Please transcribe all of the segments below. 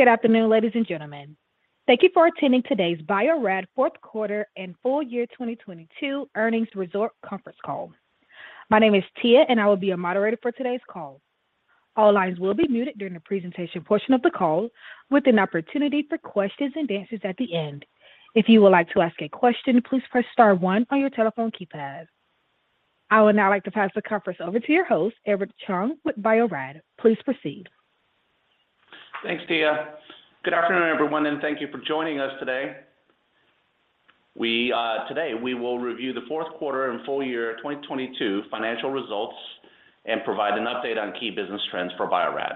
Good afternoon, ladies and gentlemen. Thank you for attending today's Bio-Rad fourth quarter and full year 2022 earnings results conference call. My name is Tia, and I will be your moderator for today's call. All lines will be muted during the presentation portion of the call, with an opportunity for questions and answers at the end. If you would like to ask a question, please press star one on your telephone keypad. I would now like to pass the conference over to your host, Edward Chung, with Bio-Rad. Please proceed. Thanks, Tia. Good afternoon, everyone, thank you for joining us today. Today, we will review the fourth quarter and full year 2022 financial results and provide an update on key business trends for Bio-Rad.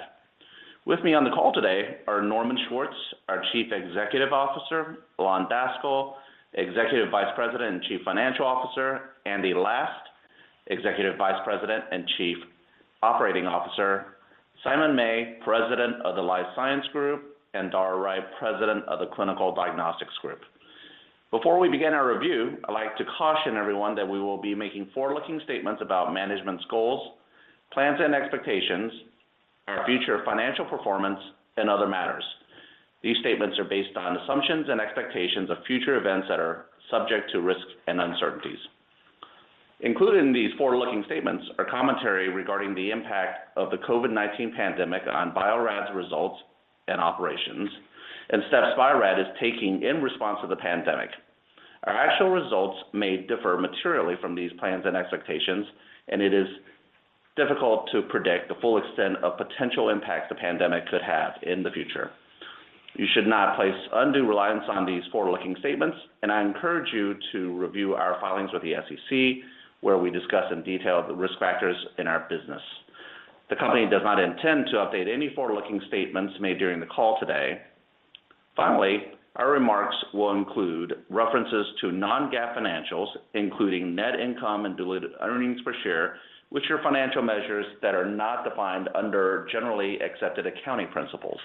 With me on the call today are Norman Schwartz, our Chief Executive Officer, Ilan Daskal, Executive Vice President and Chief Financial Officer, Andy Last, Executive Vice President and Chief Operating Officer, Simon May, President of the Life Science Group, and Dara Grantham Wright, President of the Clinical Diagnostics Group. Before we begin our review, I'd like to caution everyone that we will be making forward-looking statements about management's goals, plans and expectations, our future financial performance, and other matters. These statements are based on assumptions and expectations of future events that are subject to risks and uncertainties. Included in these forward-looking statements are commentary regarding the impact of the COVID-19 pandemic on Bio-Rad's results and operations and steps Bio-Rad is taking in response to the pandemic. Our actual results may differ materially from these plans and expectations. It is difficult to predict the full extent of potential impact the pandemic could have in the future. You should not place undue reliance on these forward-looking statements. I encourage you to review our filings with the SEC, where we discuss in detail the risk factors in our business. The company does not intend to update any forward-looking statements made during the call today. Finally, our remarks will include references to non-GAAP financials, including net income and diluted earnings per share, which are financial measures that are not defined under generally accepted accounting principles.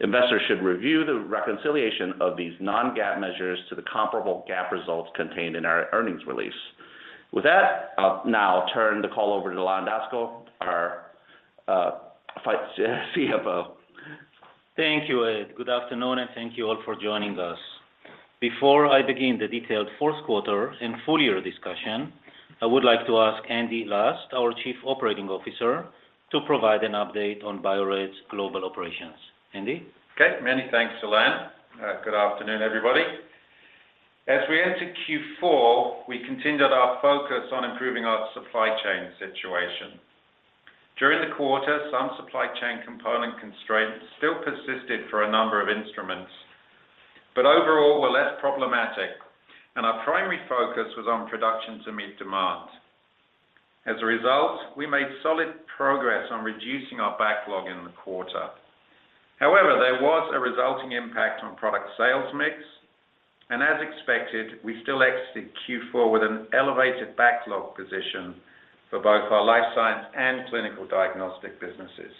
Investors should review the reconciliation of these non-GAAP measures to the comparable GAAP results contained in our earnings release. With that, I'll now turn the call over to Ilan Daskal, our CFO. Thank you, Ed. Good afternoon, and thank you all for joining us. Before I begin the detailed fourth quarter and full year discussion, I would like to ask Andy Last, our Chief Operating Officer, to provide an update on Bio-Rad's global operations. Andy? Okay. Many thanks, Ilan. Good afternoon, everybody. As we enter Q four, we continued our focus on improving our supply chain situation. During the quarter, some supply chain component constraints still persisted for a number of instruments, but overall were less problematic, and our primary focus was on production to meet demand. As a result, we made solid progress on reducing our backlog in the quarter. However, there was a resulting impact on product sales mix, and as expected, we still exited Q4 with an elevated backlog position for both our Life Science and Clinical Diagnostic businesses.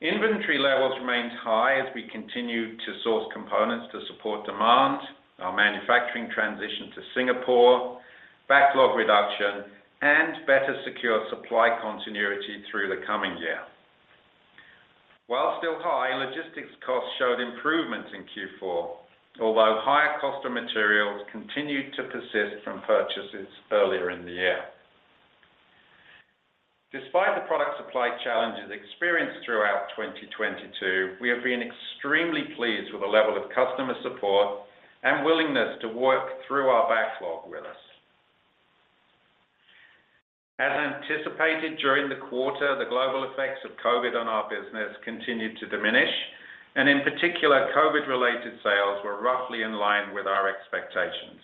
Inventory levels remained high as we continued to source components to support demand, our manufacturing transition to Singapore, backlog reduction, and better secure supply continuity through the coming year. While still high, logistics costs showed improvements in Q4, although higher cost of materials continued to persist from purchases earlier in the year. Despite the product supply challenges experienced throughout 2022, we have been extremely pleased with the level of customer support and willingness to work through our backlog with us. As anticipated during the quarter, the global effects of COVID on our business continued to diminish, and in particular, COVID-related sales were roughly in line with our expectations.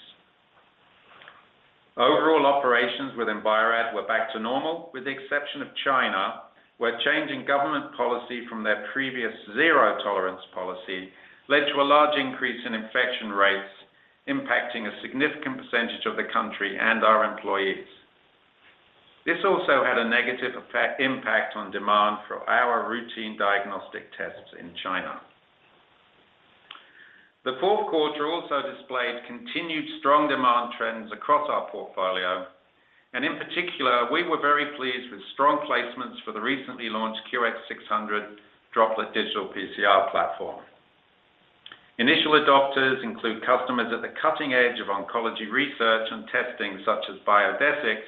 Overall operations within Bio-Rad were back to normal, with the exception of China, where changing government policy from their previous zero-tolerance policy led to a large increase in infection rates, impacting a significant percent of the country and our employees. This also had a negative impact on demand for our routine diagnostic tests in China. The fourth quarter also displayed continued strong demand trends across our portfolio, and in particular, we were very pleased with strong placements for the recently launched QX600 Droplet Digital PCR platform. Initial adopters include customers at the cutting edge of oncology research and testing, such as Biodesix,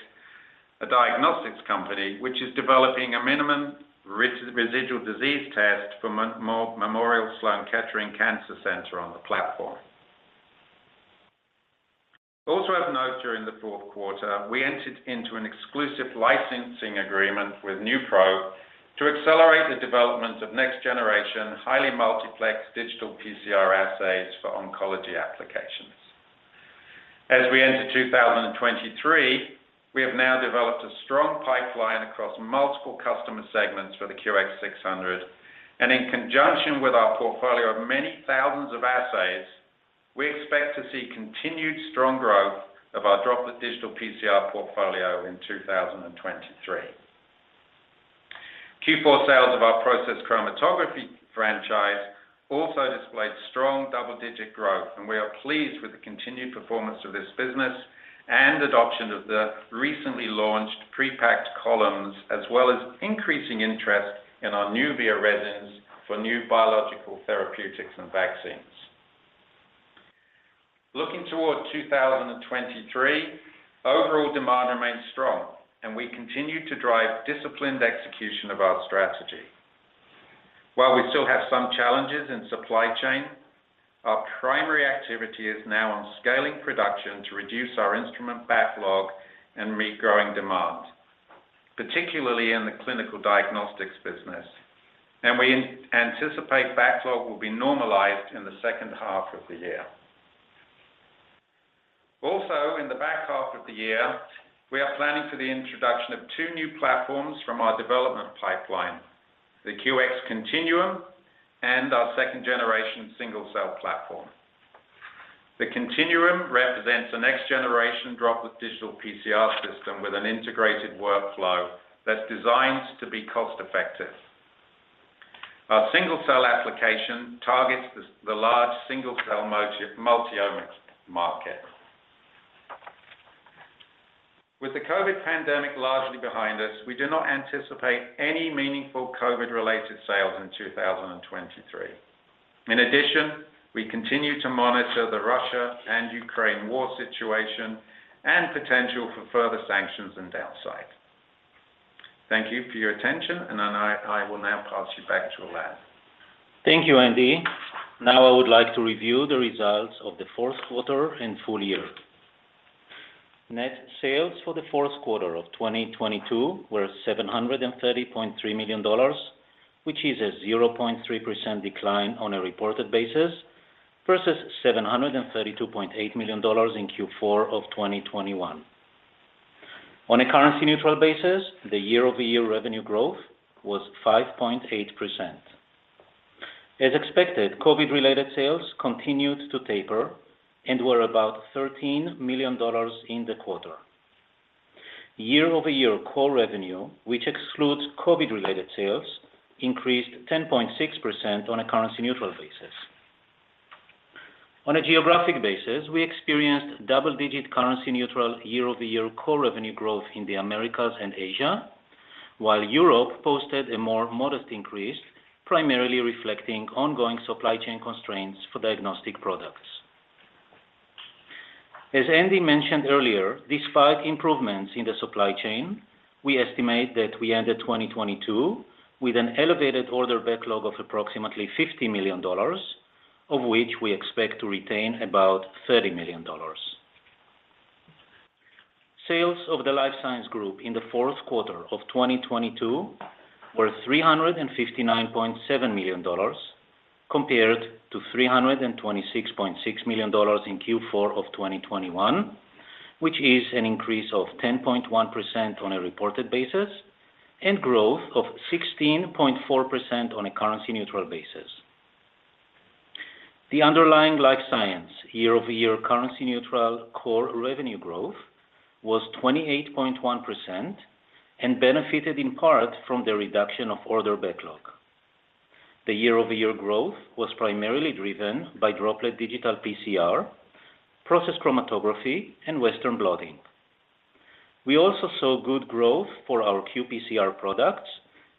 a diagnostics company, which is developing a minimal residual disease test for Memorial Sloan Kettering Cancer Center on the platform. Also of note during the fourth quarter, we entered into an exclusive licensing agreement with NuProbe to accelerate the development of next generation, highly multiplexed digital PCR assays for oncology applications. As we enter 2023, we have now developed a strong pipeline across multiple customer segments for the QX600, and in conjunction with our portfolio of many thousands of assays, we expect to see continued strong growth of our Droplet Digital PCR portfolio in 2023. Q4 sales of our Process Chromatography franchise also displayed strong double-digit growth, and we are pleased with the continued performance of this business and adoption of the recently launched pre-packed columns, as well as increasing interest in our Nuvia resins for new biological therapeutics and vaccines. Looking toward 2023, overall demand remains strong and we continue to drive disciplined execution of our strategy. While we still have some challenges in supply chain, our primary activity is now on scaling production to reduce our instrument backlog and regrowing demand, particularly in the Clinical Diagnostics business. We anticipate backlog will be normalized in the second half of the year. In the back half of the year, we are planning for the introduction of two new platforms from our development pipeline, the QX Continuum and our second-generation single-cell platform. The Continuum represents the next generation Droplet Digital PCR system with an integrated workflow that's designed to be cost-effective. Our single-cell application targets the large single-cell multi-omics market. With the COVID pandemic largely behind us, we do not anticipate any meaningful COVID-related sales in 2023. We continue to monitor the Russia and Ukraine war situation and potential for further sanctions and downside. Thank you for your attention, and I will now pass you back to Andy. Thank you, Andy. Now I would like to review the results of the fourth quarter and full year. Net sales for the fourth quarter of 2022 were $730.3 million, which is a 0.3% decline on a reported basis versus $732.8 million in Q4 of 2021. On a currency neutral basis, the year-over-year revenue growth was 5.8%. As expected, COVID-related sales continued to taper and were about $13 million in the quarter. Year-over-year core revenue, which excludes COVID-related sales, increased 10.6% on a currency neutral basis. On a geographic basis, we experienced double-digit currency neutral year-over-year core revenue growth in the Americas and Asia, while Europe posted a more modest increase, primarily reflecting ongoing supply chain constraints for diagnostic products. As Andy mentioned earlier, despite improvements in the supply chain, we estimate that we ended 2022 with an elevated order backlog of approximately $50 million, of which we expect to retain about $30 million. Sales of the Life Science Group in the fourth quarter of 2022 were $359.7 million, compared to $326.6 million in Q4 of 2021, which is an increase of 10.1% on a reported basis and growth of 16.4% on a currency neutral basis. The underlying Life Science year-over-year currency neutral core revenue growth was 28.1% and benefited in part from the reduction of order backlog. The year-over-year growth was primarily driven by Droplet Digital PCR, Process Chromatography, and Western blotting. We also saw good growth for our qPCR products,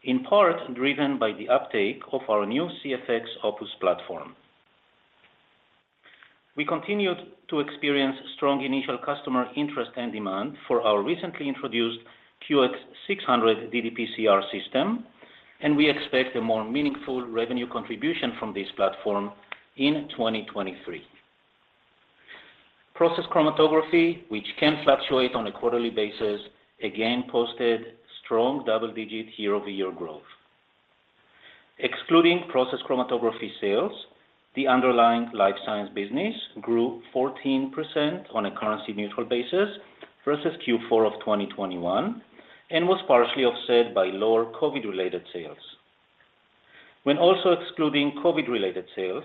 in part driven by the uptake of our new CFX Opus platform. We continued to experience strong initial customer interest and demand for our recently introduced QX600 ddPCR system, and we expect a more meaningful revenue contribution from this platform in 2023. Process Chromatography, which can fluctuate on a quarterly basis, again posted strong double-digit year-over-year growth. Excluding Process Chromatography sales, the underlying Life Science business grew 14% on a currency neutral basis versus Q4 of 2021 and was partially offset by lower COVID-related sales. When also excluding COVID-related sales,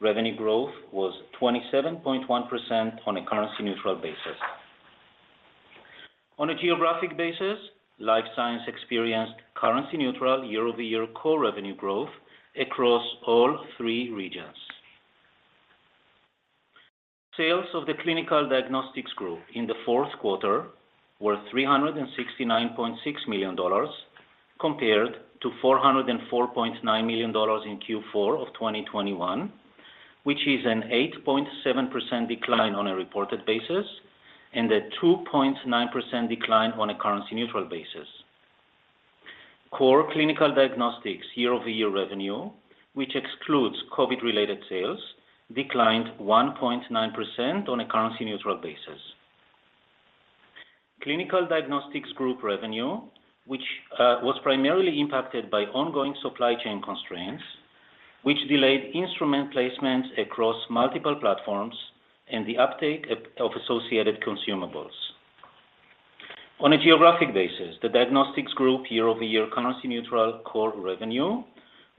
revenue growth was 27.1% on a currency neutral basis. On a geographic basis, Life Science experienced currency neutral year-over-year core revenue growth across all three regions. Sales of the Clinical Diagnostics Group in the fourth quarter were $369.6 million, compared to $404.9 million in Q4 of 2021, which is an 8.7% decline on a reported basis and a 2.9% decline on a currency neutral basis. Core clinical diagnostics year-over-year revenue, which excludes COVID-related sales, declined 1.9% on a currency neutral basis. Clinical Diagnostics Group revenue, which was primarily impacted by ongoing supply chain constraints, which delayed instrument placements across multiple platforms and the uptake of associated consumables. On a geographic basis, the Clinical Diagnostics Group year-over-year currency neutral core revenue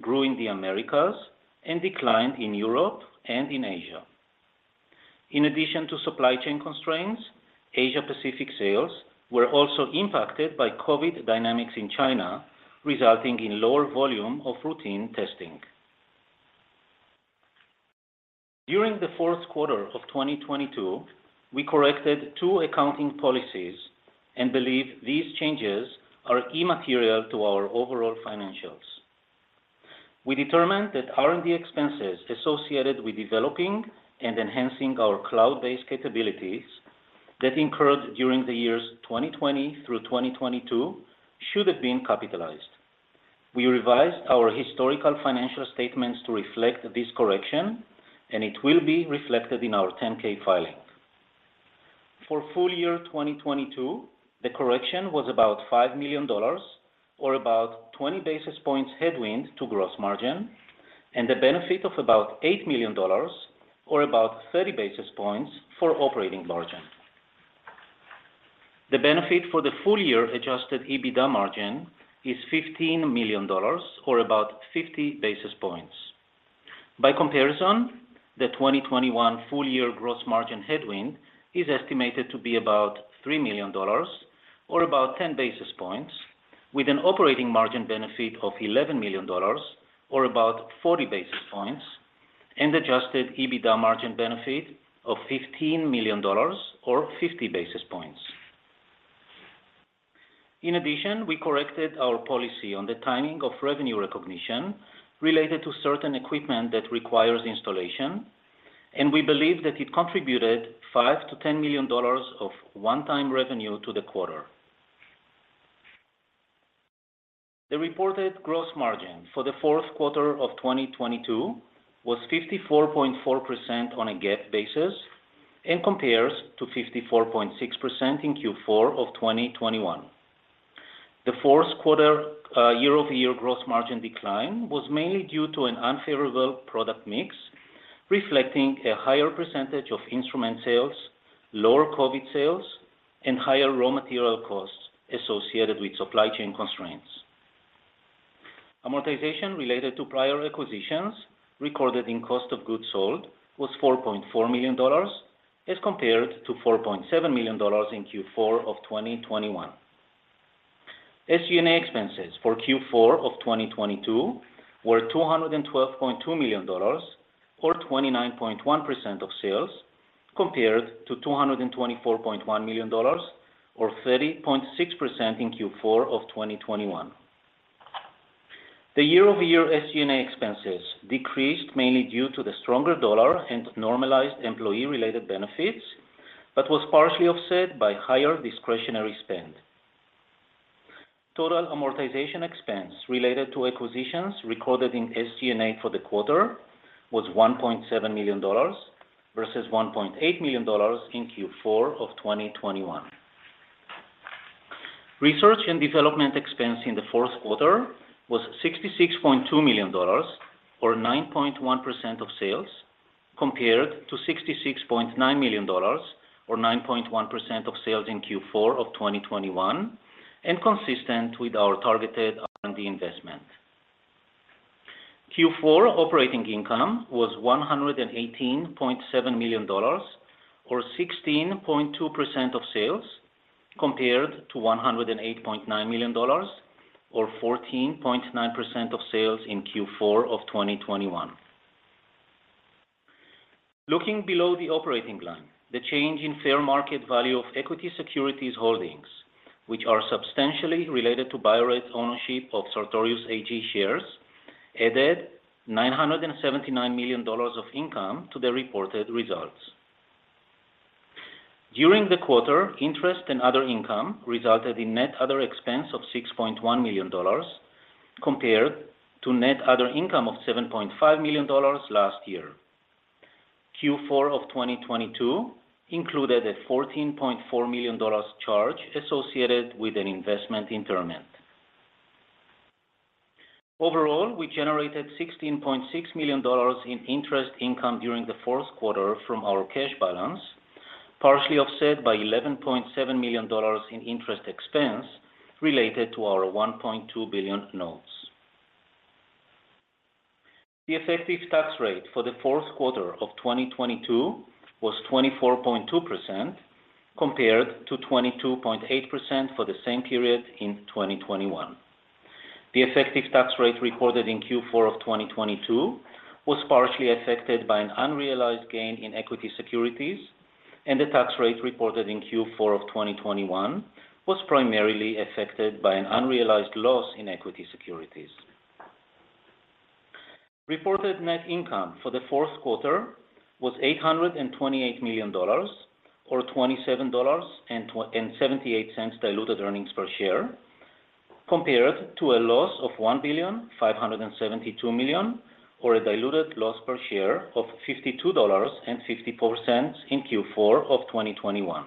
grew in the Americas and declined in Europe and in Asia. In addition to supply chain constraints, Asia Pacific sales were also impacted by COVID dynamics in China, resulting in lower volume of routine testing. During the fourth quarter of 2022, we corrected two accounting policies and believe these changes are immaterial to our overall financials. We determined that R&D expenses associated with developing and enhancing our cloud-based capabilities that incurred during the years 2020 through 2022 should have been capitalized. We revised our historical financial statements to reflect this correction, and it will be reflected in our 10-K filing. For full year 2022, the correction was about $5 million, or about 20 basis points headwind to gross margin. The benefit of about $8 million or about 30 basis points for operating margin. The benefit for the full year Adjusted EBITDA margin is $15 million or about 50 basis points. By comparison, the 2021 full year gross margin headwind is estimated to be about $3 million or about 10 basis points, with an operating margin benefit of $11 million or about 40 basis points, and Adjusted EBITDA margin benefit of $15 million or 50 basis points. In addition, we corrected our policy on the timing of revenue recognition related to certain equipment that requires installation, and we believe that it contributed $5 million-$10 million of one-time revenue to the quarter. The reported gross margin for the fourth quarter of 2022 was 54.4% on a GAAP basis and compares to 54.6% in Q4 of 2021. The fourth quarter year-over-year gross margin decline was mainly due to an unfavorable product mix, reflecting a higher percentage of instrument sales, lower COVID sales, and higher raw material costs associated with supply chain constraints. Amortization related to prior acquisitions recorded in cost of goods sold was $4.4 million as compared to $4.7 million in Q4 of 2021. SG&A expenses for Q4 of 2022 were $212.2 million or 29.1% of sales, compared to $224.1 million or 30.6% in Q4 of 2021. The year-over-year SG&A expenses decreased mainly due to the stronger dollar and normalized employee-related benefits, but was partially offset by higher discretionary spend. Total amortization expense related to acquisitions recorded in SG&A for the quarter was $1.7 million versus $1.8 million in Q4 of 2021. Research and development expense in the fourth quarter was $66.2 million or 9.1% of sales, compared to $66.9 million or 9.1% of sales in Q4 of 2021, and consistent with our targeted R&D investment. Q4 operating income was $118.7 million or 16.2% of sales, compared to $108.9 million or 14.9% of sales in Q4 of 2021. Looking below the operating line, the change in fair market value of equity securities holdings, which are substantially related to Bio-Rad's ownership of Sartorius AG shares, added $979 million of income to the reported results. During the quarter, interest and other income resulted in net other expense of $6.1 million compared to net other income of $7.5 million last year. Q4 of 2022 included a $14.4 million charge associated with an investment interment. Overall, we generated $16.6 million in interest income during the fourth quarter from our cash balance, partially offset by $11.7 million in interest expense related to our $1.2 billion notes. The effective tax rate for the fourth quarter of 2022 was 24.2%, compared to 22.8% for the same period in 2021. The effective tax rate reported in Q4 of 2022 was partially affected by an unrealized gain in equity securities, and the tax rate reported in Q4 of 2021 was primarily affected by an unrealized loss in equity securities. Reported net income for the fourth quarter was $828 million, or $27.78 diluted earnings per share, compared to a loss of $1,572 million, or a diluted loss per share of $52.54 in Q4 of 2021.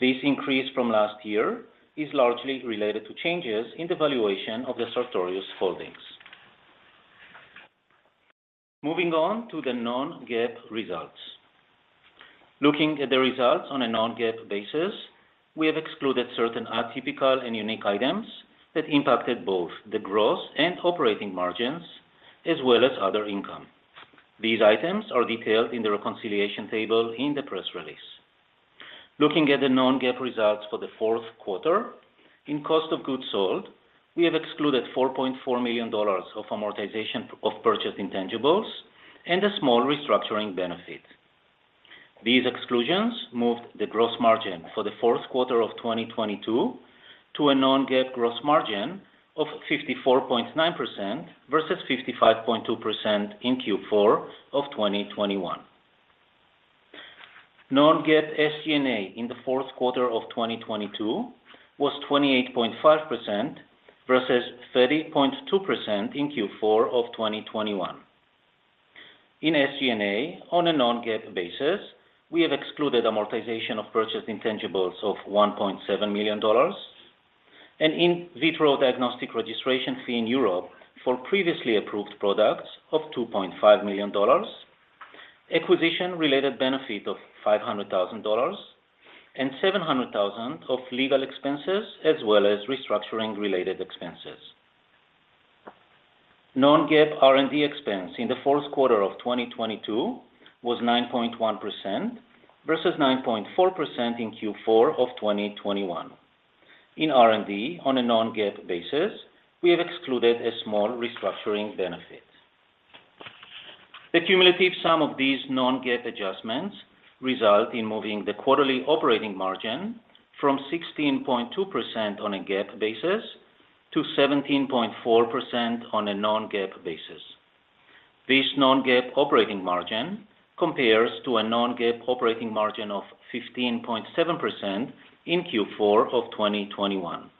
This increase from last year is largely related to changes in the valuation of the Sartorius holdings. Moving on to the non-GAAP results. Looking at the results on a non-GAAP basis, we have excluded certain atypical and unique items that impacted both the gross and operating margins as well as other income. These items are detailed in the reconciliation table in the press release. Looking at the non-GAAP results for the fourth quarter, in cost of goods sold, we have excluded $4.4 million of amortization of purchased intangibles and a small restructuring benefit. These exclusions moved the gross margin for the fourth quarter of 2022 to a non-GAAP gross margin of 54.9% versus 55.2% in Q4 of 2021. Non-GAAP SG&A in the fourth quarter of 2022 was 28.5% versus 30.2% in Q4 of 2021. In SG&A, on a non-GAAP basis, we have excluded amortization of purchased intangibles of $1.7 million and in vitro diagnostic registration fee in Europe for previously approved products of $2.5 million, acquisition-related benefit of $500,000 and $700,000 of legal expenses, as well as restructuring-related expenses. Non-GAAP R&D expense in the fourth quarter of 2022 was 9.1% versus 9.4% in Q4 of 2021. In R&D, on a non-GAAP basis, we have excluded a small restructuring benefit. The cumulative sum of these non-GAAP adjustments result in moving the quarterly operating margin from 16.2% on a GAAP basis to 17.4% on a non-GAAP basis. This non-GAAP operating margin compares to a non-GAAP operating margin of 15.7% in Q4 of 2021.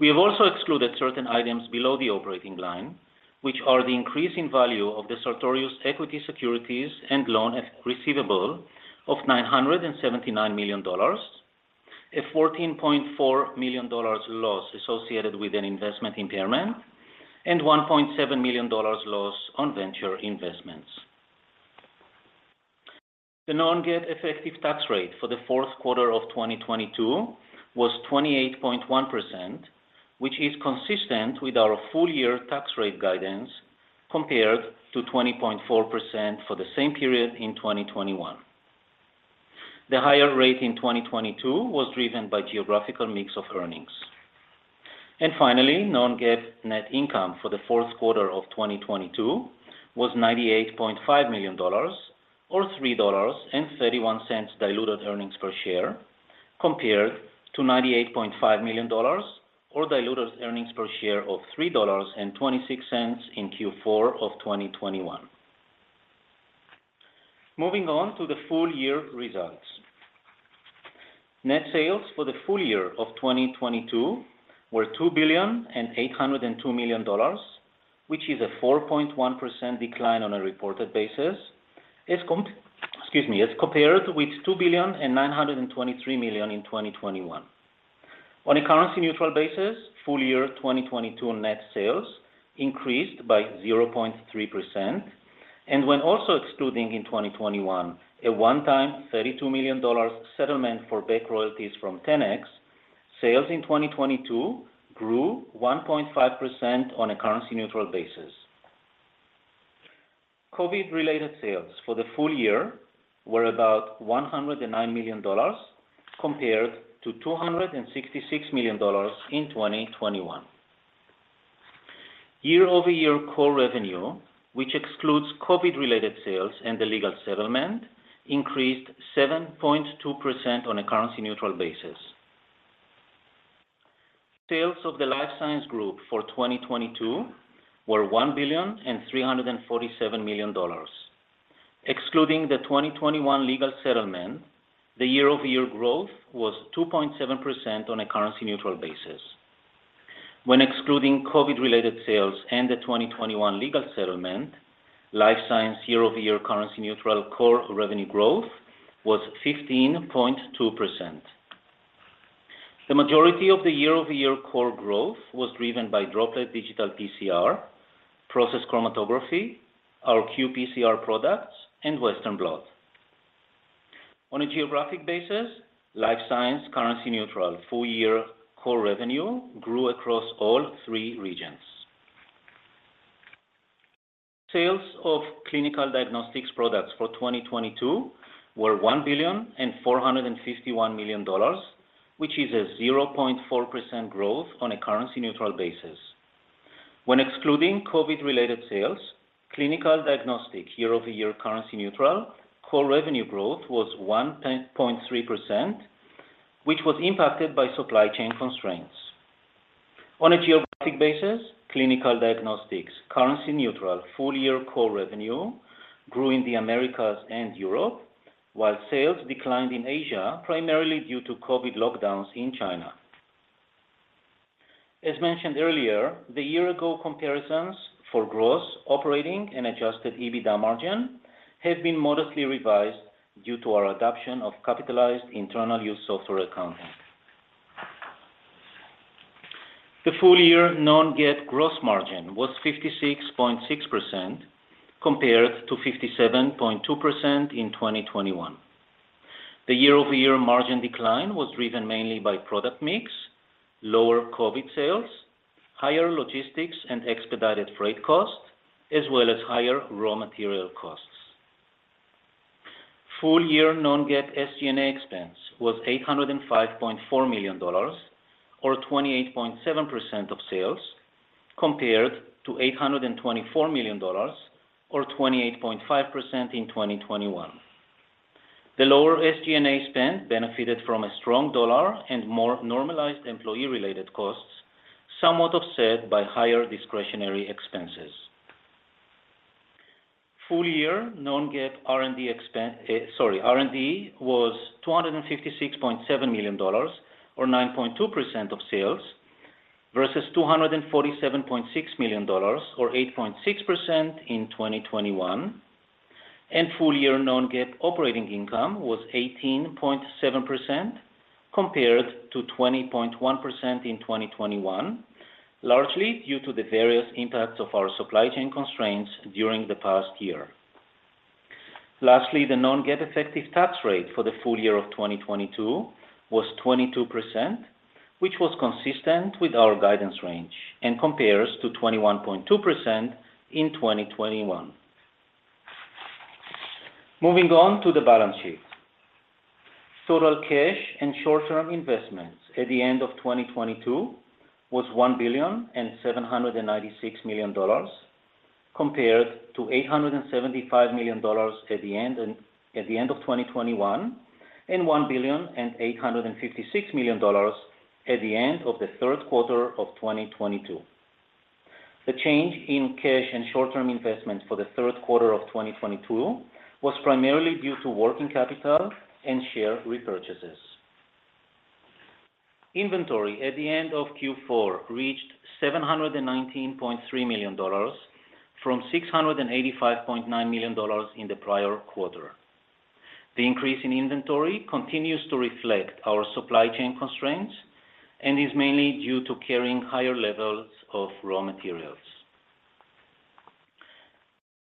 We have also excluded certain items below the operating line, which are the increase in value of the Sartorius equity securities and loan receivable of $979 million, a $14.4 million loss associated with an investment impairment, and $1.7 million loss on venture investments. The non-GAAP effective tax rate for the fourth quarter of 2022 was 28.1%, which is consistent with our full year tax rate guidance compared to 20.4% for the same period in 2021. The higher rate in 2022 was driven by geographical mix of earnings. Finally, non-GAAP net income for the fourth quarter of 2022 was $98.5 million or $3.31 diluted earnings per share, compared to $98.5 million or diluted earnings per share of $3.26 in Q4 of 2021. Moving on to the full year results. Net sales for the full year of 2022 were $2.802 billion, which is a 4.1% decline on a reported basis. Excuse me, as compared with $2.923 billion in 2021. On a currency neutral basis, full year 2022 net sales increased by 0.3%. When also excluding in 2021 a one-time $32 million settlement for back royalties from 10x, sales in 2022 grew 1.5% on a currency neutral basis. COVID-related sales for the full year were about $109 million, compared to $266 million in 2021. Year-over-year core revenue, which excludes COVID-related sales and the legal settlement, increased 7.2% on a currency neutral basis. Sales of the Life Science Group for 2022 were $1.347 billion. Excluding the 2021 legal settlement, the year-over-year growth was 2.7% on a currency neutral basis. When excluding COVID-related sales and the 2021 legal settlement, Life Science year-over-year currency neutral core revenue growth was 15.2%. The majority of the year-over-year core growth was driven by Droplet Digital PCR, Process Chromatography, our qPCR products, and Western blot. On a geographic basis, Life Science currency neutral full year core revenue grew across all three regions. Sales of Clinical Diagnostics products for 2022 were $1.451 billion, which is a 0.4% growth on a currency neutral basis. When excluding COVID-related sales, Clinical Diagnostics year-over-year currency neutral core revenue growth was 1.3%, which was impacted by supply chain constraints. On a geographic basis, Clinical Diagnostics currency neutral full year core revenue grew in the Americas and Europe, while sales declined in Asia, primarily due to COVID lockdowns in China. As mentioned earlier, the year-ago comparisons for gross, operating, and Adjusted EBITDA margin have been modestly revised due to our adoption of capitalized internal use software accounting. The full year non-GAAP gross margin was 56.6% compared to 57.2% in 2021. The year-over-year margin decline was driven mainly by product mix, lower COVID sales, higher logistics and expedited freight costs, as well as higher raw material costs. Full year non-GAAP SG&A expense was $805.4 million or 28.7% of sales, compared to $824 million or 28.5% in 2021. The lower SG&A spend benefited from a strong dollar and more normalized employee-related costs, somewhat offset by higher discretionary expenses. Full year non-GAAP R&D was $256.7 million or 9.2% of sales, versus $247.6 million or 8.6% in 2021. Full year non-GAAP operating income was 18.7% compared to 20.1% in 2021, largely due to the various impacts of our supply chain constraints during the past year. Lastly, the non-GAAP effective tax rate for the full year of 2022 was 22%, which was consistent with our guidance range and compares to 21.2% in 2021. Moving on to the balance sheet. Total cash and short-term investments at the end of 2022 was $1,796 million, compared to $875 million at the end of 2021, and $1,856 million at the end of the third quarter of 2022. The change in cash and short-term investments for the third quarter of 2022 was primarily due to working capital and share repurchases. Inventory at the end of Q4 reached $719.3 million, from $685.9 million in the prior quarter. The increase in inventory continues to reflect our supply chain constraints and is mainly due to carrying higher levels of raw materials.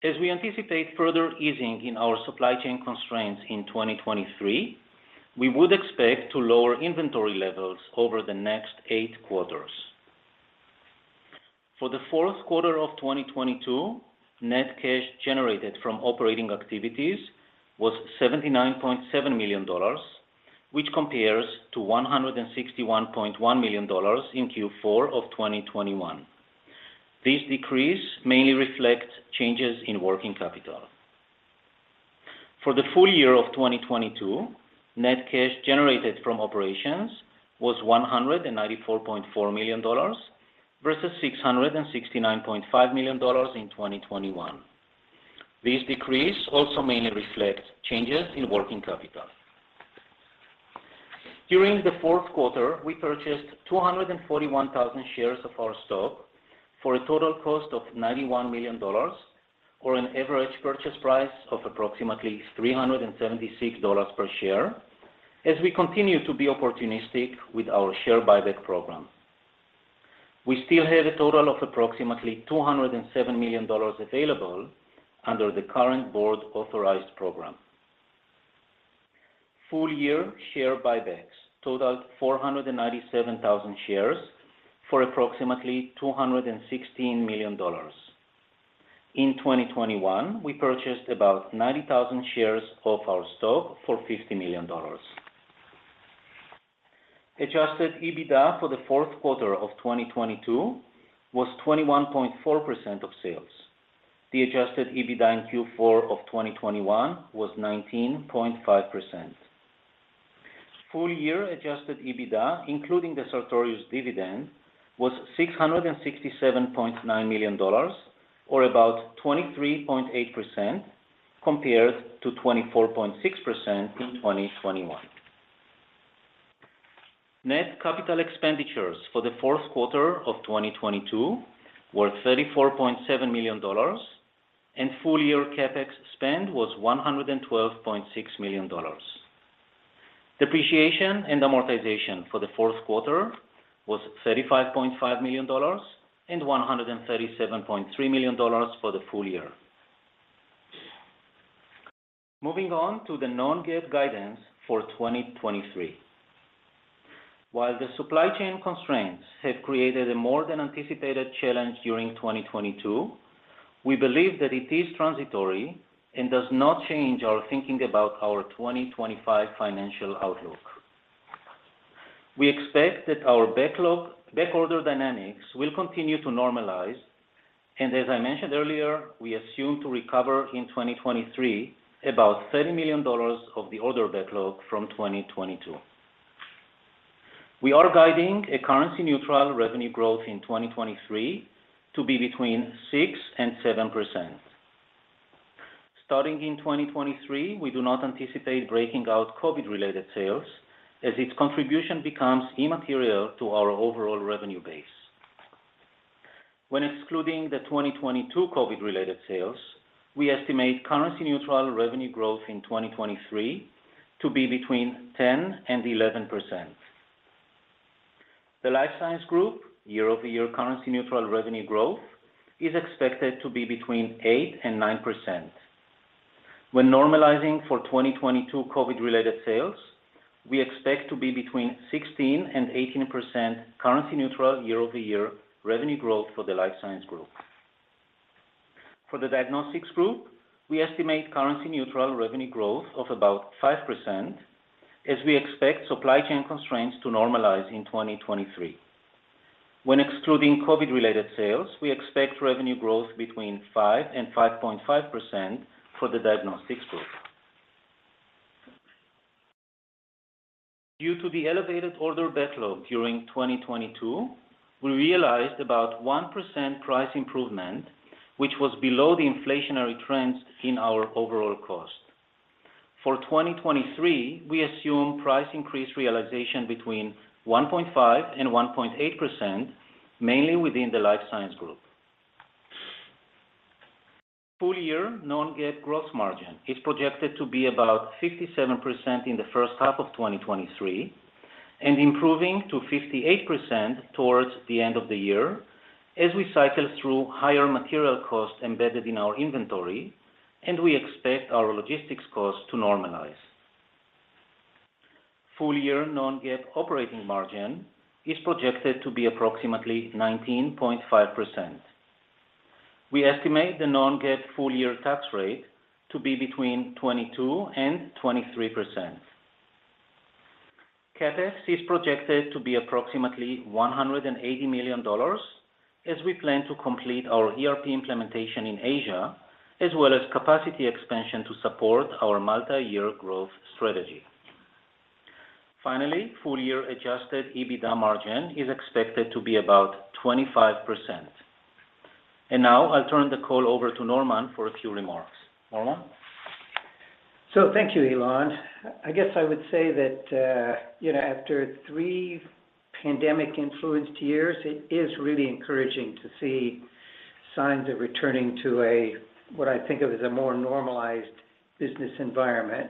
As we anticipate further easing in our supply chain constraints in 2023, we would expect to lower inventory levels over the next 8 quarters. For the fourth quarter of 2022, net cash generated from operating activities was $79.7 million, which compares to $161.1 million in Q4 of 2021. This decrease mainly reflect changes in working capital. For the full year of 2022, net cash generated from operations was $194.4 million versus $669.5 million in 2021. This decrease also mainly reflect changes in working capital. During the fourth quarter, we purchased 241,000 shares of our stock for a total cost of $91 million or an average purchase price of approximately $376 per share as we continue to be opportunistic with our share buyback program. We still have a total of approximately $207 million available under the current board-authorized program. Full year share buybacks totaled 497,000 shares for approximately $216 million. In 2021, we purchased about 90,000 shares of our stock for $50 million. Adjusted EBITDA for the fourth quarter of 2022 was 21.4% of sales. The Adjusted EBITDA in Q4 of 2021 was 19.5%. Full year adjusted EBITDA, including the Sartorius dividend, was $667.9 million or about 23.8%, compared to 24.6% in 2021. Net capital expenditures for the fourth quarter of 2022 were $34.7 million, and full year CapEx spend was $112.6 million. Depreciation and amortization for the fourth quarter was $35.5 million and $137.3 million for the full year. Moving on to the non-GAAP guidance for 2023. While the supply chain constraints have created a more than anticipated challenge during 2022, we believe that it is transitory and does not change our thinking about our 2025 financial outlook. We expect that our backorder dynamics will continue to normalize. As I mentioned earlier, we assume to recover in 2023 about $30 million of the order backlog from 2022. We are guiding a currency neutral revenue growth in 2023 to be between 6% and 7%. Starting in 2023, we do not anticipate breaking out COVID-related sales as its contribution becomes immaterial to our overall revenue base. When excluding the 2022 COVID-related sales, we estimate currency neutral revenue growth in 2023 to be between 10% and 11%. The Life Science Group year-over-year currency neutral revenue growth is expected to be between 8% and 9%. When normalizing for 2022 COVID-related sales, we expect to be between 16% and 18% currency neutral year-over-year revenue growth for the Life Science Group. For the Diagnostics Group, we estimate currency neutral revenue growth of about 5% as we expect supply chain constraints to normalize in 2023. When excluding COVID-related sales, we expect revenue growth between 5%-5.5% for the Diagnostics Group. Due to the elevated order backlog during 2022, we realized about 1% price improvement, which was below the inflationary trends in our overall cost. For 2023, we assume price increase realization between 1.5%-1.8%, mainly within the Life Science Group. Full year non-GAAP gross margin is projected to be about 57% in the first half of 2023, and improving to 58% towards the end of the year as we cycle through higher material costs embedded in our inventory, and we expect our logistics costs to normalize. Full year non-GAAP operating margin is projected to be approximately 19.5%. We estimate the non-GAAP full year tax rate to be between 22% and 23%. CapEx is projected to be approximately $180 million as we plan to complete our ERP implementation in Asia, as well as capacity expansion to support our multi-year growth strategy. Finally, full year Adjusted EBITDA margin is expected to be about 25%. Now I'll turn the call over to Norman for a few remarks. Norman. Thank you, Ilan. I guess I would say that, you know, after three pandemic influenced years, it is really encouraging to see signs of returning to a, what I think of as a more normalized business environment.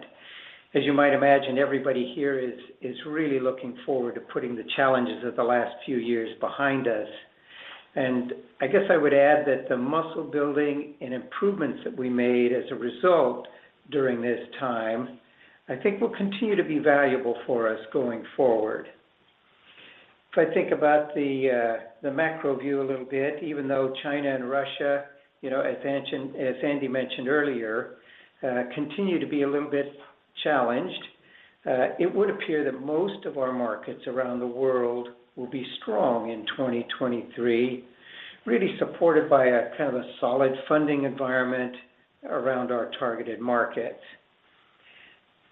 As you might imagine, everybody here is really looking forward to putting the challenges of the last few years behind us. I guess I would add that the muscle building and improvements that we made as a result during this time, I think will continue to be valuable for us going forward. If I think about the macro view a little bit, even though China and Russia, you know, as Andy mentioned earlier, continue to be a little bit challenged, it would appear that most of our markets around the world will be strong in 2023, really supported by a, kind of a solid funding environment around our targeted markets.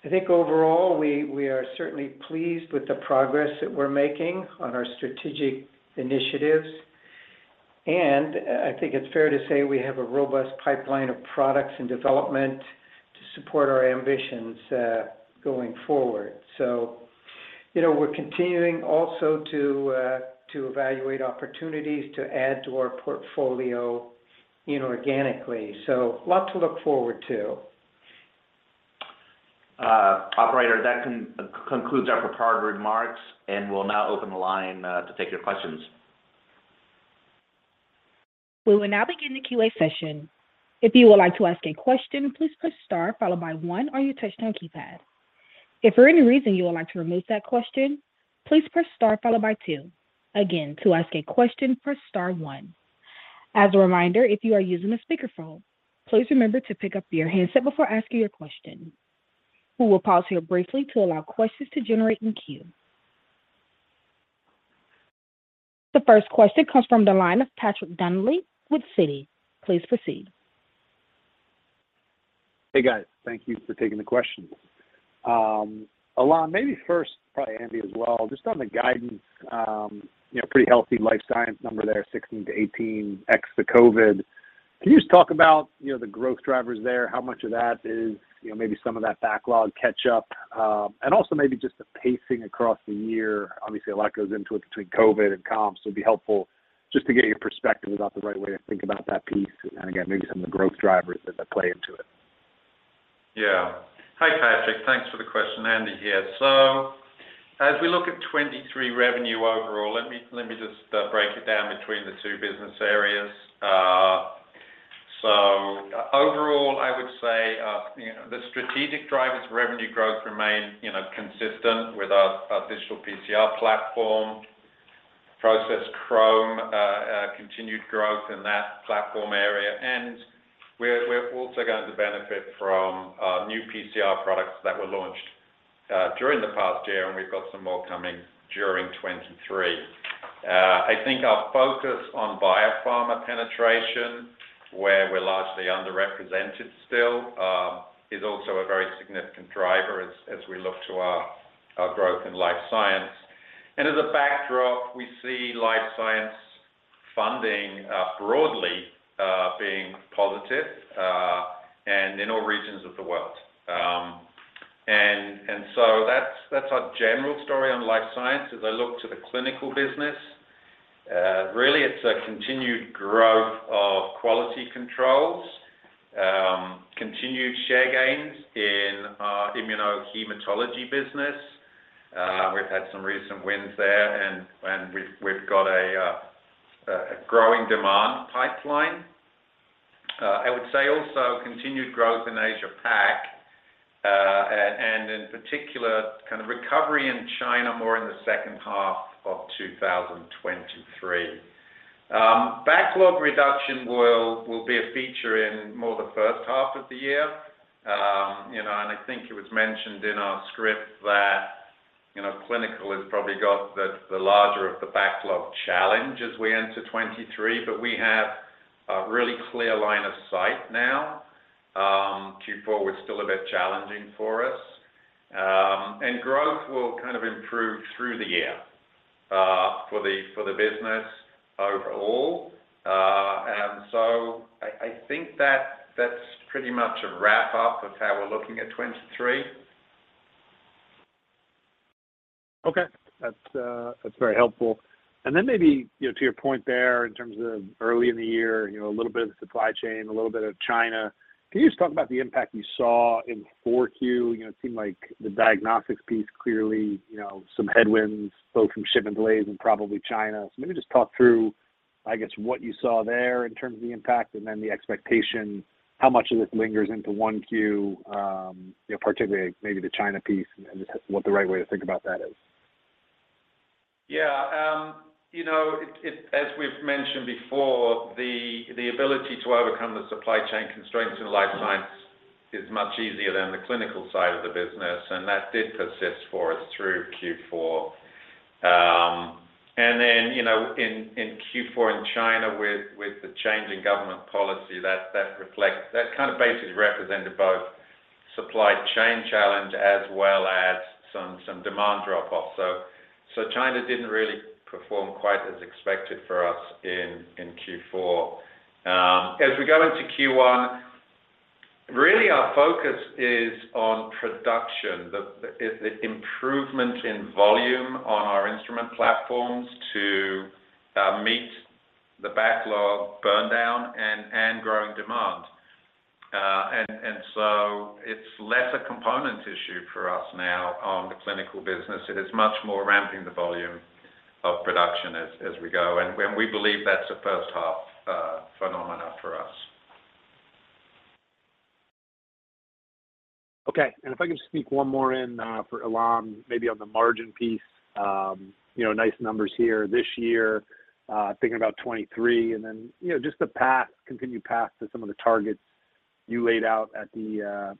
I think overall, we are certainly pleased with the progress that we're making on our strategic initiatives. I think it's fair to say we have a robust pipeline of products in development to support our ambitions going forward. you know, we're continuing also to evaluate opportunities to add to our portfolio inorganically. A lot to look forward to. Operator, that concludes our prepared remarks, and we'll now open the line to take your questions. We will now begin the QA session. If you would like to ask a question, please press star followed by one on your touchtone keypad. If for any reason you would like to remove that question, please press star followed by two. Again, to ask a question, press star one. As a reminder, if you are using a speakerphone, please remember to pick up your handset before asking your question. We will pause here briefly to allow questions to generate in queue. The first question comes from the line of Patrick Donnelly with Citi. Please proceed. Hey, guys. Thank you for taking the questions. Ilan, maybe first, probably Andy as well, just on the guidance, you know, pretty healthy Life Science number there, 16%-18% ex the COVID. Can you just talk about, you know, the growth drivers there? How much of that is, you know, maybe some of that backlog catch up, and also maybe just the pacing across the year. Obviously, a lot goes into it between COVID and comps. It'd be helpful just to get your perspective about the right way to think about that piece. Again, maybe some of the growth drivers that play into it. Yeah. Hi, Patrick. Thanks for the question. Andy here. As we look at 2023 revenue overall, let me just break it down between the two business areas. Overall, I would say, you know, the strategic drivers revenue growth remain, you know, consistent with our Digital PCR platform. Process Chromatography, continued growth in that platform area. We're also going to benefit from new PCR products that were launched during the past year, and we've got some more coming during 2023. I think our focus on biopharma penetration, where we're largely underrepresented still, is also a very significant driver as we look to our growth in Life Science. As a backdrop, we see Life Science funding broadly being positive and in all regions of the world. That's our general story on Life Science. As I look to the Clinical business, really it's a continued growth of quality controls, continued share gains in our Immunohematology business. We've had some recent wins there, and we've got a growing demand pipeline. I would say also continued growth in Asia Pac, and in particular kind of recovery in China more in the second half of 2023. Backlog reduction will be a feature in more the first half of the year. You know, I think it was mentioned in our script that, you know, Clinical has probably got the larger of the backlog challenge as we enter 2023. We have a really clear line of sight now. Q4 was still a bit challenging for us. Growth will kind of improve through the year, for the business overall. I think that that's pretty much a wrap up of how we're looking at 2023. Okay. That's, that's very helpful. Maybe, you know, to your point there in terms of early in the year, you know, a little bit of supply chain, a little bit of China. Can you just talk about the impact you saw in 4Q? You know, it seemed like the diagnostics piece, clearly, you know, some headwinds both from ship delays and probably China. Maybe just talk through, I guess, what you saw there in terms of the impact and then the expectation, how much of this lingers into 1Q, you know, particularly maybe the China piece and just what the right way to think about that is. Yeah. You know, it as we've mentioned before, the ability to overcome the supply chain constraints in the life science is much easier than the clinical side of the business, and that did persist for us through Q4. You know, in Q4 in China with the change in government policy, that kind of basically represented both supply chain challenge as well as some demand drop-off. China didn't really perform quite as expected for us in Q4. As we go into Q1, really our focus is on production. The improvement in volume on our instrument platforms to meet the backlog burn down and growing demand. It's less a component issue for us now on the clinical business. It is much more ramping the volume of production as we go. We believe that's a first half phenomena for us. Okay. If I could sneak one more in for Ilan, maybe on the margin piece. You know, nice numbers here this year. Thinking about 2023 and then, you know, just the path, continued path to some of the targets you laid out at the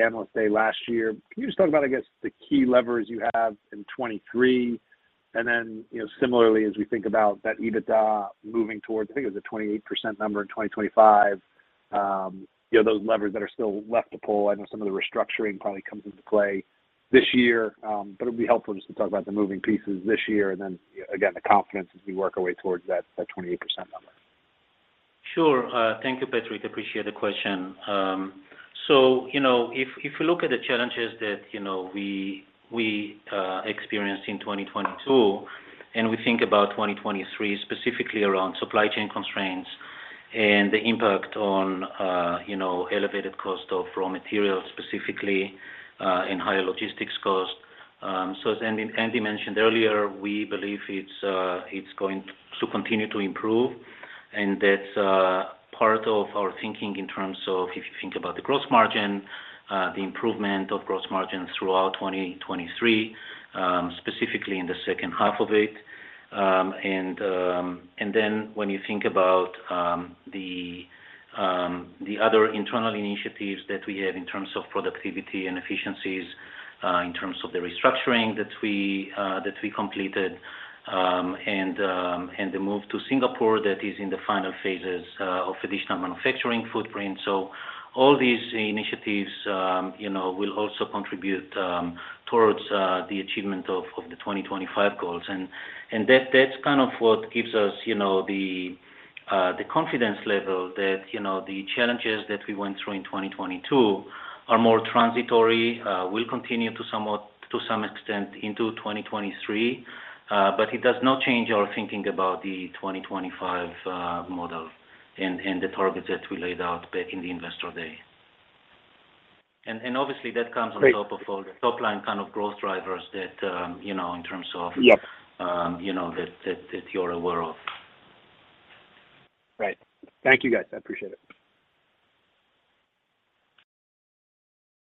Analyst Day last year. Can you just talk about, I guess, the key levers you have in 2023 and then, you know, similarly as we think about that EBITDA moving towards, I think it was a 28% number in 2025. You know, those levers that are still left to pull. I know some of the restructuring probably comes into play this year. It'll be helpful just to talk about the moving pieces this year and then again, the confidence as we work our way towards that 28% number. Sure. Thank you, Patrick. Appreciate the question. You know, if you look at the challenges that, you know, we experienced in 2022 and we think about 2023, specifically around supply chain constraints and the impact on, you know, elevated cost of raw materials specifically, and higher logistics cost. As Andy mentioned earlier, we believe it's going to continue to improve and that's part of our thinking in terms of if you think about the gross margin, the improvement of gross margin throughout 2023, specifically in the second half of it. When you think about the other internal initiatives that we have in terms of productivity and efficiencies, in terms of the restructuring that we completed, and the move to Singapore that is in the final phases of additional manufacturing footprint. All these initiatives, you know, will also contribute towards the achievement of the 2025 goals. That's kind of what gives us, you know, the confidence level that, you know, the challenges that we went through in 2022 are more transitory, will continue to some extent into 2023. It does not change our thinking about the 2025 model and the targets that we laid out back in the Investor Day. Obviously that comes on top of all the top line kind of growth drivers that, you know. Yeah. you know, that you're aware of. Right. Thank you, guys. I appreciate it.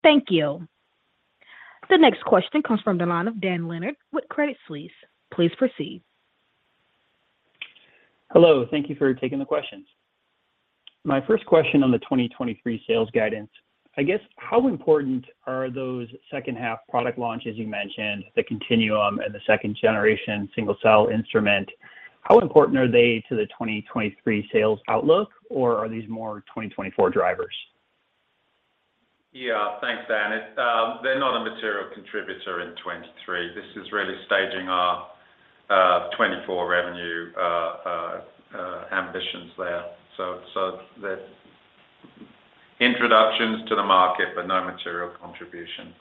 Thank you. The next question comes from the line of Dan Leonard with Credit Suisse. Please proceed. Hello. Thank you for taking the questions. My first question on the 2023 sales guidance. I guess how important are those second half product launches you mentioned, the Continuum and the second generation single cell instrument? How important are they to the 2023 sales outlook, or are these more 2024 drivers? Yeah. Thanks, Dan. It, they're not a material contributor in 2023. This is really staging our 2024 revenue there. That introductions to the market, but no material contribution.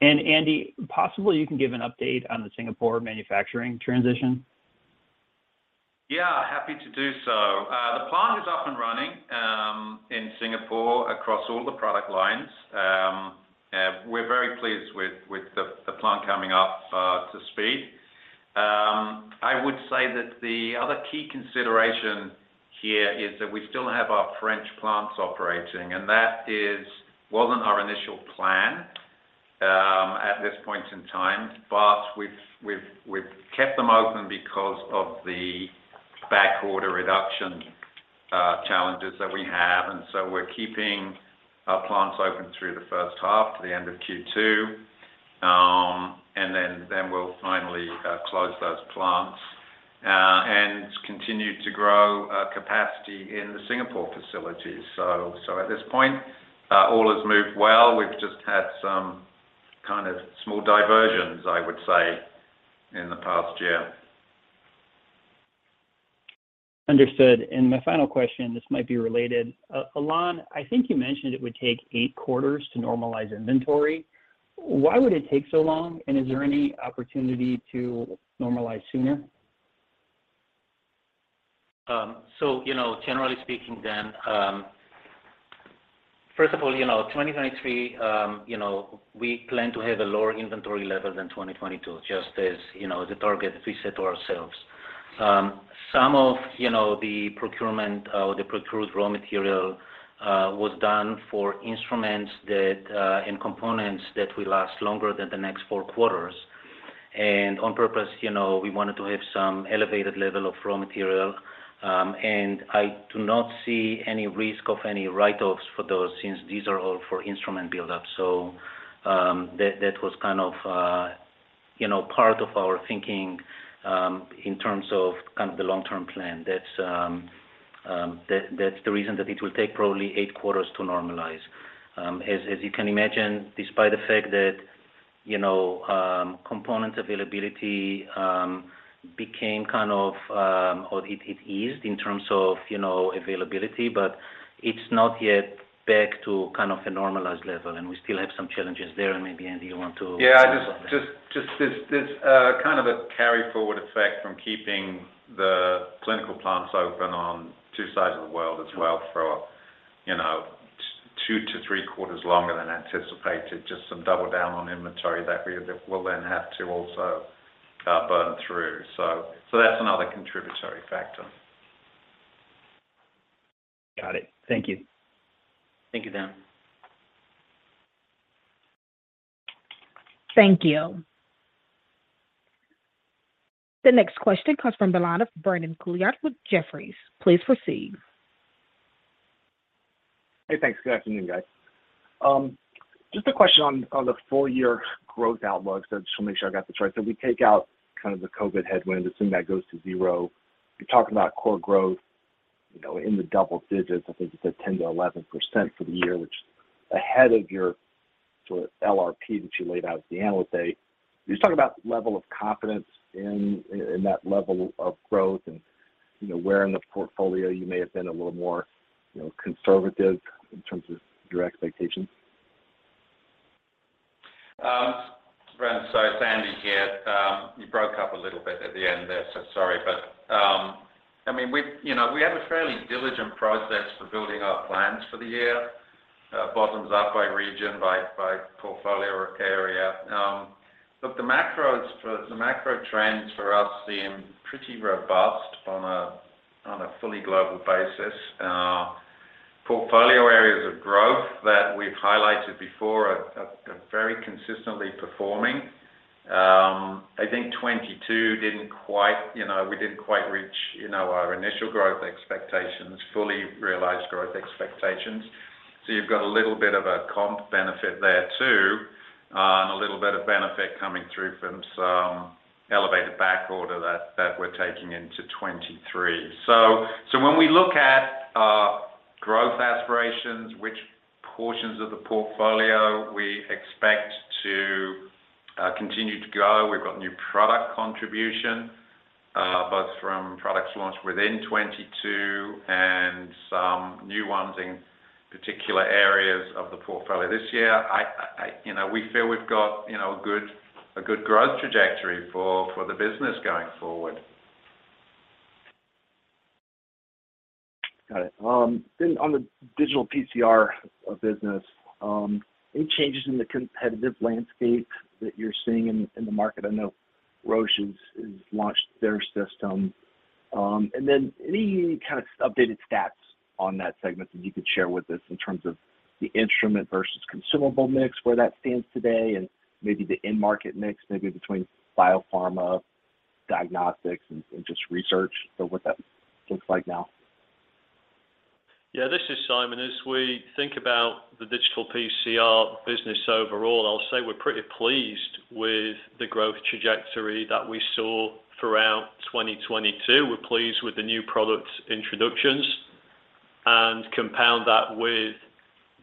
Andy, possibly you can give an update on the Singapore manufacturing transition. Yeah, happy to do so. The plant is up and running in Singapore across all the product lines. We're very pleased with the plant coming up to speed. I would say that the other key consideration here is that we still have our French plants operating. That wasn't our initial plan at this point in time, but we've kept them open because of the back order reduction challenges that we have. We're keeping our plants open through the first half to the end of Q2. Then we'll finally close those plants and continue to grow capacity in the Singapore facilities. At this point, all has moved well. We've just had some kind of small diversions, I would say, in the past year. Understood. My final question, this might be related. llan, I think you mentioned it would take 8 quarters to normalize inventory. Why would it take so long, and is there any opportunity to normalize sooner? Generally speaking, Dan, first of all, 2023, we plan to have a lower inventory level than 2022, just as the target we set to ourselves. Some of the procurement or the procured raw material was done for instruments that, and components that will last longer than the next 4 quarters. On purpose, we wanted to have some elevated level of raw material, and I do not see any risk of any write-offs for those since these are all for instrument buildup. That was kind of part of our thinking in terms of kind of the long-term plan. That's the reason that it will take probably 8 quarters to normalize. As you can imagine, despite the fact that, you know, component availability, became kind of, or it eased in terms of, you know, availability, but it's not yet back to kind of a normalized level, and we still have some challenges there. Maybe, Andy, you want to- Yeah. Just there's kind of a carry forward effect from keeping the clinical plants open on two sides of the world as well for, you know, 2 to 3 quarters longer than anticipated. Just some double down on inventory that we will then have to also burn through. That's another contributory factor. Got it. Thank you. Thank you, Dan. Thank you. The next question comes from the line of Brandon Couillard with Jefferies. Please proceed. Hey, thanks. Good afternoon, guys. Just a question on the full year growth outlook. Just wanna make sure I got this right. We take out kind of the COVID headwind, assume that goes to zero. You're talking about core growth, you know, in the double digits. I think you said 10%-11% for the year, which is ahead of your sort of LRP that you laid out at the Analyst Day. Can you just talk about level of confidence in that level of growth and, you know, where in the portfolio you may have been a little more, you know, conservative in terms of your expectations? It's Andy here. You broke up a little bit at the end there, sorry. I mean, we, you know, we have a fairly diligent process for building our plans for the year, bottoms up by region, by portfolio or area. Look, the macro trends for us seem pretty robust on a fully global basis. Portfolio areas of growth that we've highlighted before are very consistently performing. I think 2022 didn't quite, you know, we didn't quite reach, you know, our initial growth expectations, fully realized growth expectations. You've got a little bit of a comp benefit there too, and a little bit of benefit coming through from some elevated back order that we're taking into 2023. When we look at our growth aspirations, which portions of the portfolio we expect to continue to grow. We've got new product contribution, both from products launched within 2022 and some new ones in particular areas of the portfolio. This year, you know, we feel we've got, you know, a good growth trajectory for the business going forward. Got it. On the digital PCR business, any changes in the competitive landscape that you're seeing in the market? I know Roche has launched their system. Any kind of updated stats on that segment that you could share with us in terms of the instrument versus consumable mix, where that stands today, and maybe the end market mix, maybe between biopharma diagnostics and just research. What that looks like now. Yeah. This is Simon. As we think about the digital PCR business overall, I'll say we're pretty pleased with the growth trajectory that we saw throughout 2022. New product introductions and compound that with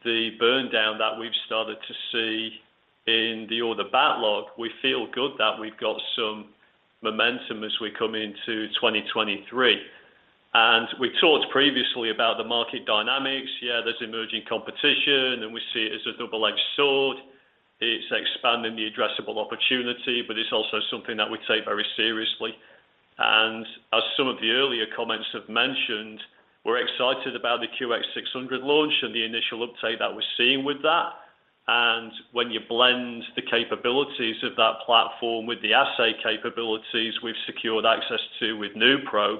the burn down that we've started to see in the order backlog. We feel good that we've got some momentum as we come into 2023. We talked previously about the market dynamics. Yeah, there's emerging competition, and we see it as a double-edged sword. It's expanding the addressable opportunity, but it's also something that we take very seriously. As some of the earlier comments have mentioned, we're excited about the QX600 launch and the initial uptake that we're seeing with that. When you blend the capabilities of that platform with the assay capabilities we've secured access to with NuProbe,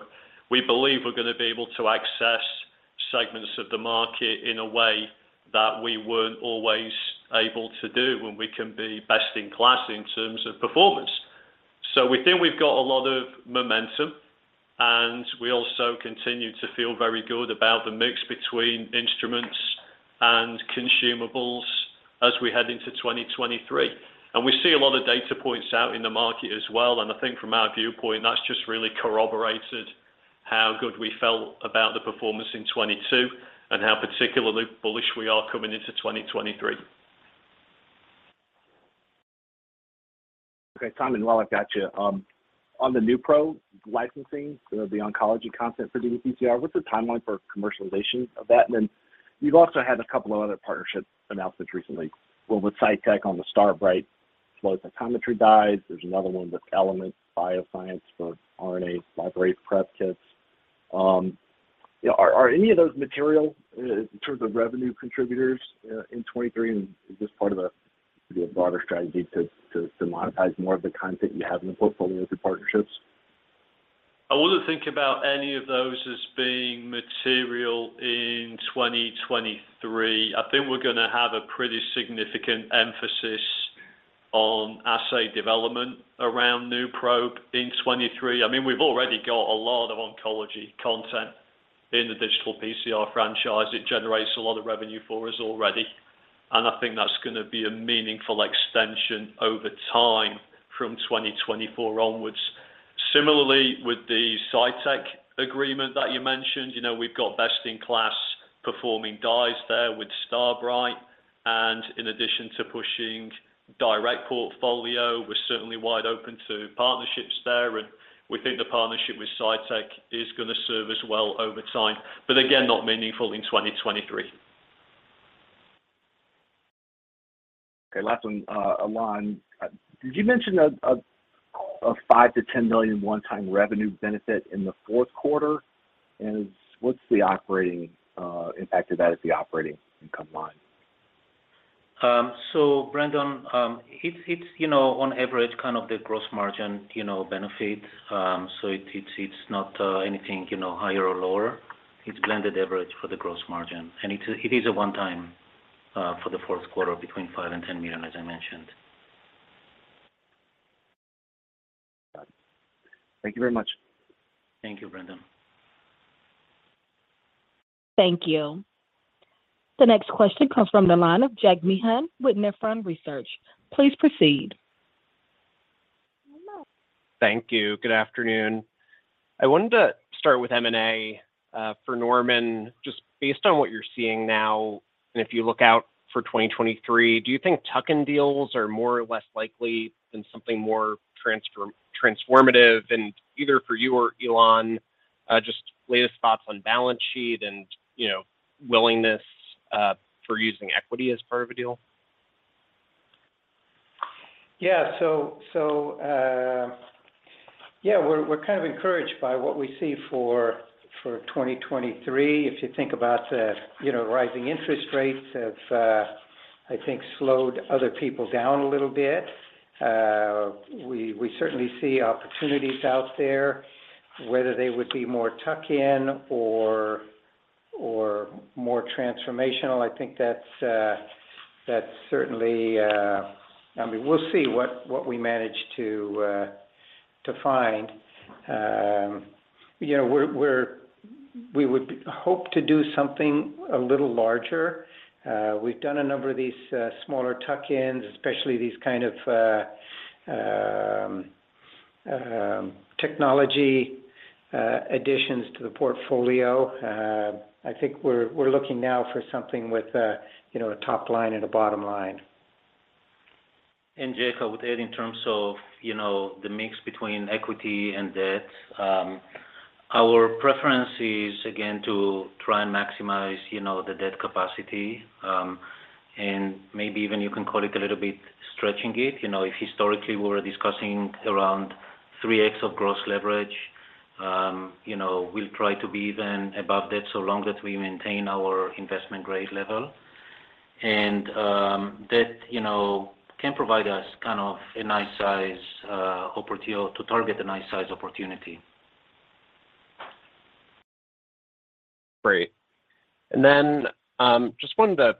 we believe we're gonna be able to access segments of the market in a way that we weren't always able to do, and we can be best in class in terms of performance. We think we've got a lot of momentum, and we also continue to feel very good about the mix between instruments and consumables as we head into 2023. We see a lot of data points out in the market as well, and I think from our viewpoint, that's just really corroborated how good we felt about the performance in 2022 and how particularly bullish we are coming into 2023. Okay, Simon, while I've got you on the NuProbe licensing, the oncology content for dPCR, what's the timeline for commercialization of that? You've also had a couple of other partnership announcements recently. One with Cytek on the StarBright Flow Cytometry dyes. There's another one with Element Biosciences for RNA Library Prep kits. Are any of those material in terms of revenue contributors in 2023? Is this part of a broader strategy to monetize more of the content you have in the portfolio through partnerships? I wouldn't think about any of those as being material in 2023. I think we're gonna have a pretty significant emphasis on assay development around NuProbe in 2023. I mean, we've already got a lot of oncology content in the Digital PCR franchise. It generates a lot of revenue for us already, and I think that's gonna be a meaningful extension over time from 2024 onwards. Similarly, with the Cytek agreement that you mentioned, you know, we've got best-in-class performing dyes there with StarBright, and in addition to pushing direct portfolio, we're certainly wide open to partnerships there, and we think the partnership with Cytek is gonna serve us well over time. Again, not meaningful in 2023. Okay, last one, Ilan. Did you mention a $5 million-$10 million one-time revenue benefit in the fourth quarter? What's the operating impact of that at the operating income line? Brandon, it's, you know, on average, kind of the gross margin, you know, benefit. It's not, anything, you know, higher or lower. It's blended average for the gross margin. It is a one time, for the fourth quarter between $5 million-$10 million, as I mentioned. Thank you very much. Thank you, Brandon. Thank you. The next question comes from the line of Jack Meehan with Nephron Research. Please proceed. Thank you. Good afternoon. I wanted to start with M&A for Norman. Just based on what you're seeing now, and if you look out for 2023, do you think tuck-in deals are more or less likely than something more transformative? Either for you or Alon, just latest thoughts on balance sheet and, you know, willingness for using equity as part of a deal. Yeah. Yeah, we're kind of encouraged by what we see for 2023. If you think about the, you know, rising interest rates have, I think slowed other people down a little bit. We certainly see opportunities out there, whether they would be more tuck-in or more transformational. I think that's certainly. I mean, we'll see what we manage to find. You know, we would hope to do something a little larger. We've done a number of these, smaller tuck-ins, especially these kind of, technology additions to the portfolio. I think we're looking now for something with a, you know, a top line and a bottom line. Jack, I would add in terms of, you know, the mix between equity and debt, our preference is again, to try and maximize, you know, the debt capacity, and maybe even you can call it a little bit stretching it. You know, if historically we were discussing around 3x of gross leverage, you know, we'll try to be even above that so long as we maintain our investment grade level. That, you know, can provide us kind of a nice size to target a nice size opportunity. Great. Just wanted to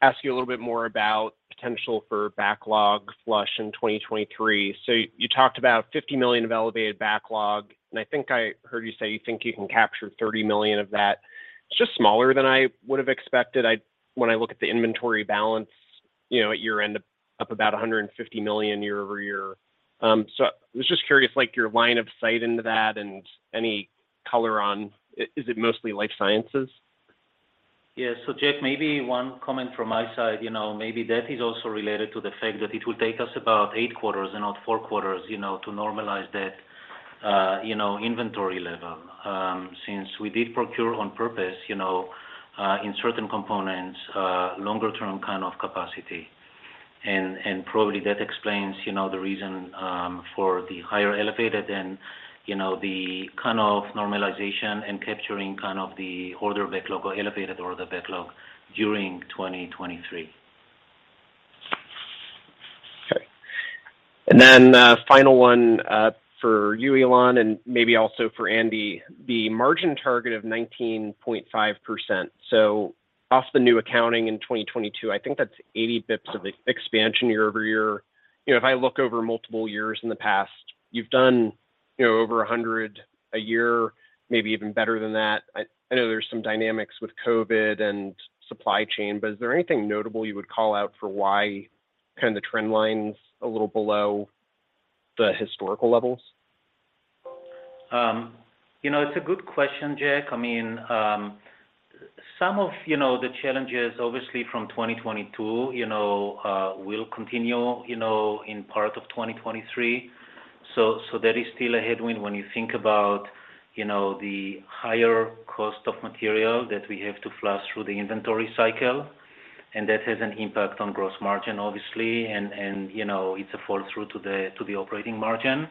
ask you a little bit more about potential for backlog flush in 2023. You talked about $50 million of elevated backlog, and I think I heard you say you think you can capture $30 million of that. It's just smaller than I would have expected. When I look at the inventory balance, you know, at year-end, up about $150 million year-over-year. I was just curious, like, your line of sight into that and any color on... Is it mostly life sciences? Yeah. Jack, maybe one comment from my side, you know, maybe that is also related to the fact that it will take us about 8 quarters and not 4 quarters, you know, to normalize that, you know, inventory level, since we did procure on purpose, you know, in certain components, longer term kind of capacity. Probably that explains, you know, the reason for the higher elevated and, you know, the kind of normalization and capturing kind of the order backlog or elevated order backlog during 2023. Okay. Then, final one, for you, Ilan, and maybe also for Andy. The margin target of 19.5%. Off the new accounting in 2022, I think that's 80 basis points of expansion year-over-year. You know, if I look over multiple years in the past, you've done, you know, over 100 a year, maybe even better than that. I know there's some dynamics with COVID and supply chain, is there anything notable you would call out for why kind of the trend line's a little below the historical levels? It's a good question, Jack. Some of the challenges obviously from 2022 will continue in part of 2023. That is still a headwind when you think about the higher cost of material that we have to flush through the inventory cycle, and that has an impact on gross margin, obviously. It's a fall through to the operating margin.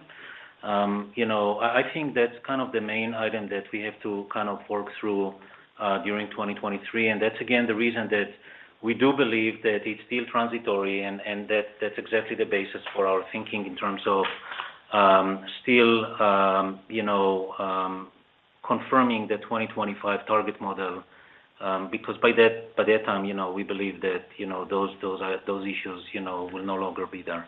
I think that's kind of the main item that we have to kind of work through during 2023. That's again, the reason that we do believe that it's still transitory and that that's exactly the basis for our thinking in terms of still confirming the 2025 target model. By that time, you know, we believe that, you know, those issues, you know, will no longer be there.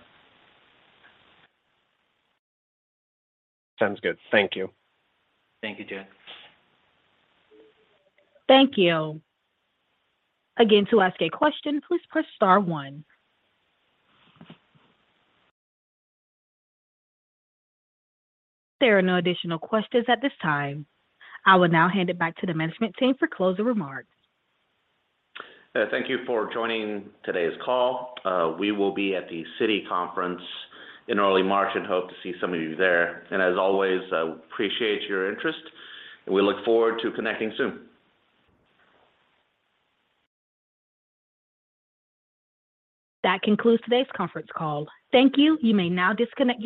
Sounds good. Thank you. Thank you, Jack. Thank you. To ask a question, please press star one. There are no additional questions at this time. I will now hand it back to the management team for closing remarks. Thank you for joining today's call. We will be at the Citi Conference in early March and hope to see some of you there. As always, I appreciate your interest, and we look forward to connecting soon. That concludes today's conference call. Thank you. You may now disconnect your line.